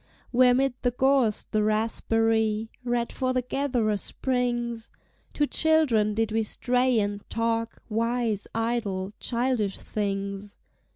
Where 'mid the gorse the raspberry Red for the gatherer springs, Two children did we stray and talk Wise, idle, childish things.